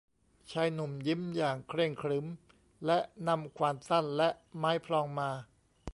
ชายหนุ่มยิ้มอย่างเคร่งขรึม และนำขวานสั้นและไม้พลองมา